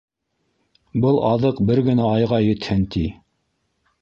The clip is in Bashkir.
Был аҙыҡ бер генә айға етһен, ти.